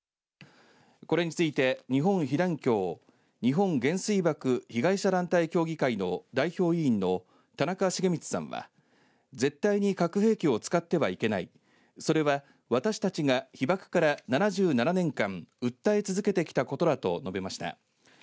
これについて日本被団協＝日本原水爆被害者団体協議会の代表委員の田中重光さんは絶対に核兵器を使ってはいけないそれは、私たちが被爆から７７年間訴え続けてきたことだと述べました。